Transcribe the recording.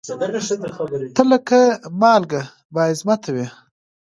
ته لکه مالکه بااعظمته وې